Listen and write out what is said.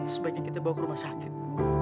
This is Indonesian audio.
sebaiknya kita bawa ke rumah sakit